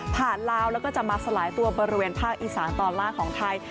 ลาวแล้วก็จะมาสลายตัวบริเวณภาคอีสานตอนล่างของไทย